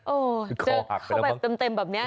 เจอเข้าไปเต็มแบบนี้